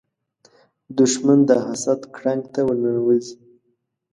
دښمن د حسد ګړنګ ته ورننوځي